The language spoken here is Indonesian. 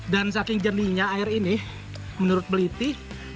dan saking jernihnya air ini menurut peliti